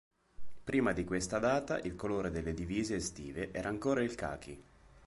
Prima di questa data il colore delle divise estive era ancora il cachi.